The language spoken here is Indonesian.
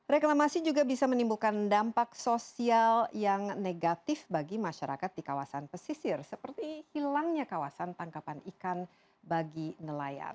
reklamasi juga bisa menimbulkan dampak sosial yang negatif bagi masyarakat di kawasan pesisir seperti hilangnya kawasan tangkapan ikan bagi nelayan